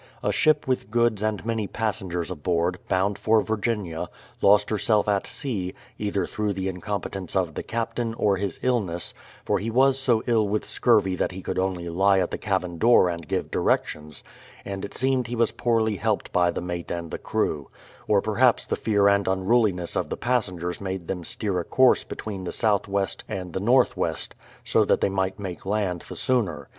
A ship with goods and many passengers aboard, bound for Virginia, lost herself at sea, either through the incompetence of the captain, or his illness, — for he was so ill with scurvy that he could only lie at the cabin door and give directions, — and it seemed he was poorly helped by the mate and the crew; or perhaps the fear and unruliness of the passengers made them steer a course between the southwest and the north west, so that they might make land the sooner.